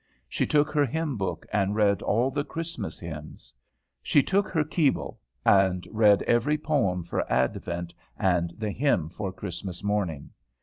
She took her Hymn Book and read all the Christmas Hymns. She took her Keble, and read every poem for Advent and the hymn for Christmas morning.